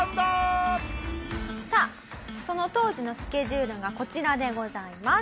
さあその当時のスケジュールがこちらでございます。